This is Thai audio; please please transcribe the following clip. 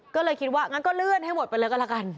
ก็เลยคิดว่างั้นก็เลื่อนให้หมดไปเลยก็แล้วกัน